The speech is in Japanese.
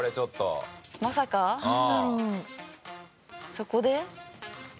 そこで？